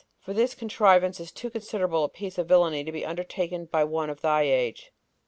For this contrivance is too considerable a piece of villainy to be undertaken by one of thy age."